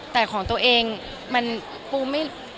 แต่ของตัวเองมันปูไม่